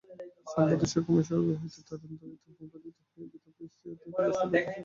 সম্পদের সুখময় স্বর্গ হইতে দারুণ দারিদ্র্যে নিপতিত হইয়া বিধবা অত্যন্ত কষ্ট পাইতেছেন।